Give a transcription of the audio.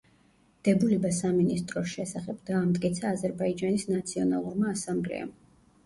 დებულება სამინისტროს შესახებ დაამტკიცა აზერბაიჯანის ნაციონალურმა ასამბლეამ.